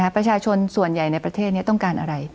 ประชาชนส่วนใหญ่ในประเทศนี้ต้องการอะไร